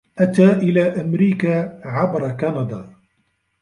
أتى إلى أمريكا عبر كندا.